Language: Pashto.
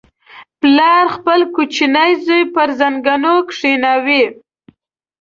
• پلار خپل کوچنی زوی پر زنګون کښېناوه.